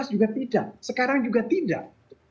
dua ribu sembilan belas juga tidak sekarang juga tidak